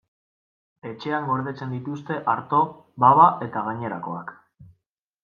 Etxean gordetzen dituzte arto, baba eta gainerakoak.